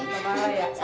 nggak marah ya